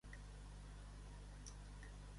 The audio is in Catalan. Posa Kurt Cobain en bandes sonores originals.